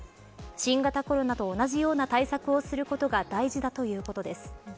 新型コロナと同じような対策をすることが大事だということです。